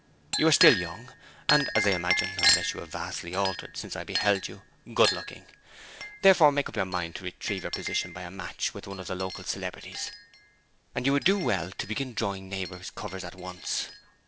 You are still young, and, as I imagine (unless you have vastly altered since I beheld you), good looking: therefore make up your mind to retrieve your position by a match with one of the local celebrities; and you would do well to begin drawing neighbouring covers at once.